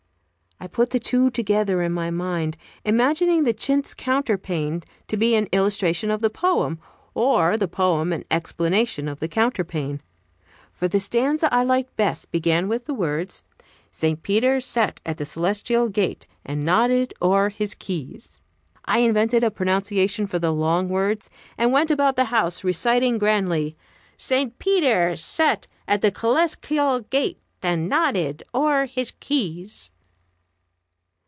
I put the two together in my mind, imagining the chintz counterpane to be an illustration of the poem, or the poem an explanation of the counterpane. For the stanza I liked best began with the words, "St. Peter sat at the celestial gate, And nodded o'er his keys." I invented a pronunciation for the long words, and went about the house reciting grandly, "St. Peter sat at the kelestikal gate, And nodded o'er his keys."